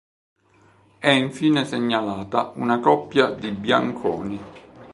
È infine segnalata una coppia di bianconi.